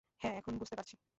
হ্যাঁ, এখন বুঝতে পারছি।